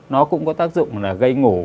nó cũng có tác dụng là gây ngủ